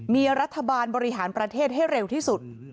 มีรัฐบาลบริหารประเทศให้เร็วที่สุด